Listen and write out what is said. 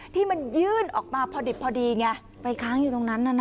ที่มันยื่นออกมาพอดิบพอดีไงไปค้างอยู่ตรงนั้น